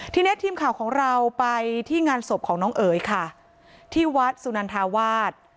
ทีนี้ทีมข่าวของเราไปที่งานศพของน้องเอ๋ยค่ะที่วัดสุนันทาวาส